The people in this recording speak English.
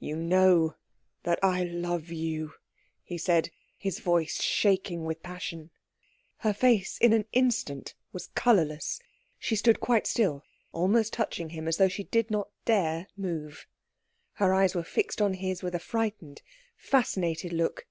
"You know that I love you," he said, his voice shaking with passion. Her face in an instant was colourless. She stood quite still, almost touching him, as though she did not dare move. Her eyes were fixed on his with a frightened, fascinated look.